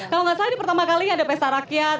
kalau nggak salah di pertama kali ada pesta rakyat